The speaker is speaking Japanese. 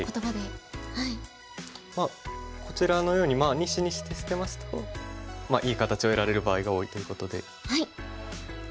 まあこちらのように２子にして捨てますといい形を得られる場合が多いということで。